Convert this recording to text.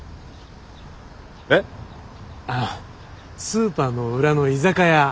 スーパーの裏の居酒屋